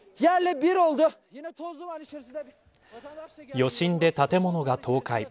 余震で建物が倒壊。